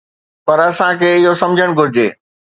پر اسان کي اهو سمجهڻ گهرجي